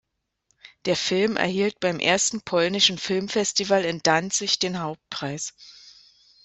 Der Film erhielt beim ersten Polnischen Filmfestival in Danzig den Hauptpreis.